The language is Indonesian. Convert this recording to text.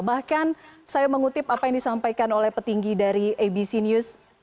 bahkan saya mengutip apa yang disampaikan oleh petinggi dari abc news